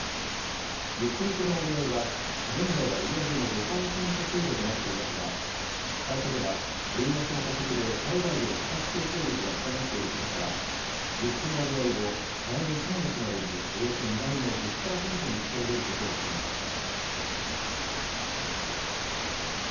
輸出向けの割合は、現在は売り上げの５％程度となっていますが、会社では、円安の加速で海外での価格競争力が高まっていることから、輸出の割合を来年３月までにおよそ２倍の１０％に引き上げることを決めました。